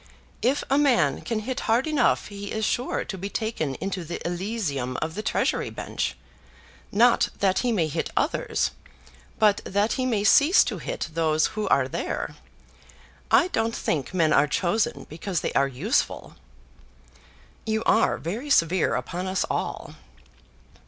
If a man can hit hard enough he is sure to be taken into the elysium of the Treasury bench, not that he may hit others, but that he may cease to hit those who are there. I don't think men are chosen because they are useful." "You are very severe upon us all."